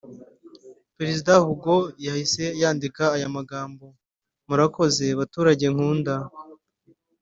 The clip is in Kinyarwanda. Perezida Hugo yahise yandika aya magambo « Murakoze baturage nkunda